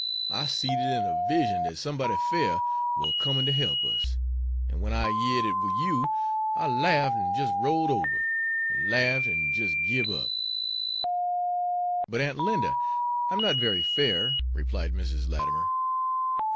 I seed it in a vision dat somebody fair war comin' to help us. An' wen I yered it war you, I larffed and jist rolled ober, and larffed and jist gib up." "But, Aunt Linda, I am not very fair," replied Mrs. Latimer.